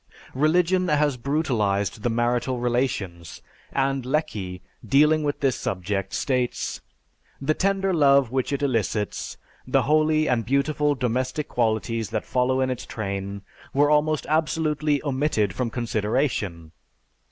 "_) Religion has brutalized the marital relations, and Lecky, dealing with this subject, states, "The tender love which it elicits, the holy and beautiful domestic qualities that follow in its train, were almost absolutely omitted from consideration.